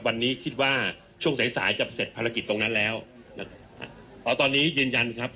วันนี้คิดว่าช่วงสายสายจะเสร็จภารกิจตรงนั้นแล้วนะครับอ๋อตอนนี้ยืนยันครับ